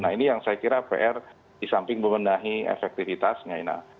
nah ini yang saya kira pr disamping memendahi efektivitasnya